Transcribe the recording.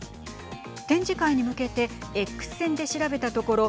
展示会に向けてＸ線で調べたところ